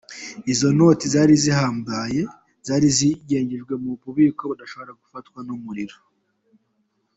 Izo noti zari zihambiye zari zinyegeje mu bubiko budashobora gufatwa n'umuriro.